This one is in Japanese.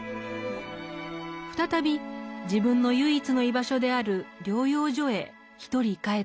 再び自分の唯一の居場所である療養所へ一人帰っていくのでした。